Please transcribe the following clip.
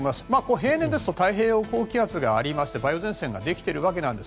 平年ですと太平洋高気圧がありまして梅雨前線ができているわけです。